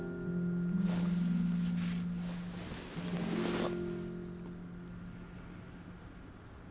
あっ。